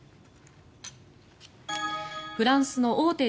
フランスの大手